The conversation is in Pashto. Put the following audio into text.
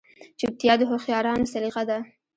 چوپتیا، د هوښیارانو سلیقه ده.